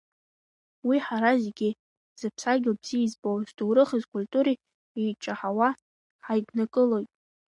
Уи ҳара зегьы, зыԥсадгьыл бзиа избо, зҭоурыхи зкультуреи еиҷаҳауа ҳаиднакылоит.